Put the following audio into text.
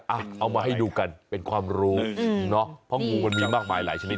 เอามาให้ดูกันเป็นความรู้เนาะเพราะงูมันมีมากมายหลายชนิด